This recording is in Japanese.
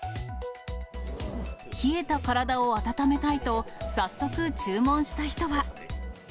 冷えた体を温めたいと、早速、注文した人は。